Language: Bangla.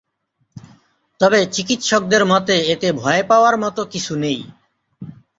তবে, চিকিৎসকদের মতে এতে ভয় পাওয়ার মতো কিছু নেই।